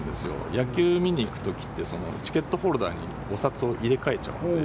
野球を見に行くときって、チケットホルダーにお札、入れ替えちゃうんで。